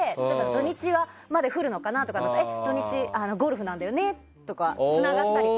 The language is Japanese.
土日まで降るのかな？とかだと土日ゴルフなんだよねとかってつながったり。